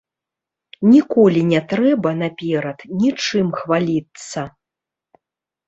Ніколі не трэба наперад нічым хваліцца.